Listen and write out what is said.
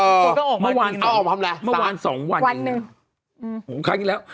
เออออกมาออกมาทำอะไรสามวันหนึ่งอืมครั้งนี้แล้ว